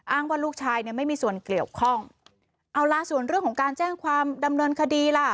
ว่าลูกชายเนี่ยไม่มีส่วนเกี่ยวข้องเอาล่ะส่วนเรื่องของการแจ้งความดำเนินคดีล่ะ